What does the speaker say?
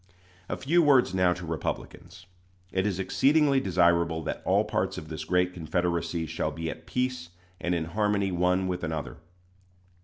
A few words now to Republicans. It is exceedingly desirable that all parts of this great Confederacy shall be at peace and in harmony one with another.